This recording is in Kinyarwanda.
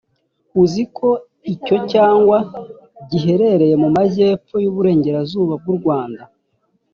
uzi ko icyo cyanya giherereye mu magepfo y’uburengerazuba bw’u Rwanda